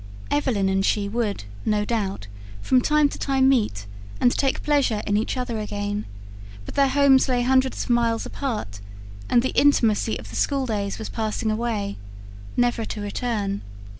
Evelyn and she would, no doubt, from time to time meet and take pleasure in each other again; but their homes lay hundreds of miles apart; and the intimacy of the schooldays was passing away, never to return.